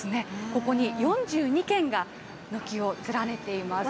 ここに４２軒が軒を連ねています。